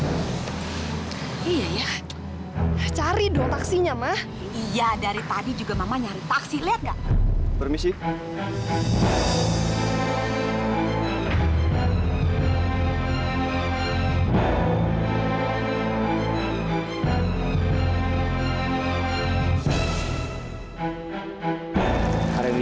udah pada gak butuh duit kalian tukang taksi disini